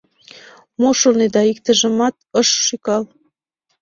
Мо шонеда, иктыжымат ыш шӱкал.